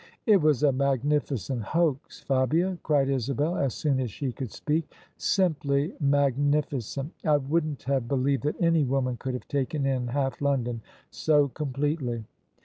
" It was a magnificent hoax, Fabia! " cried Isabel as soon as she could speak: " Simply magnificent! I wouldn't have believed that any woman could have taken in half London so completely!